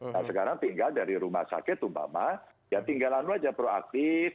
nah sekarang tinggal dari rumah sakit umpama ya tinggalan saja proaktif